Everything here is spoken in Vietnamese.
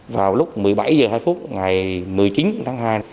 vào lúc một mươi bảy h hai ngày một mươi chín tháng hai